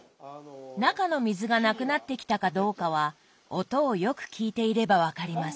中の水がなくなってきたかどうかは音をよく聴いていれば分かります。